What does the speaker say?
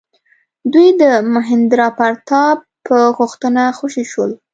دوی د مهیندرا پراتاپ په غوښتنه خوشي شول.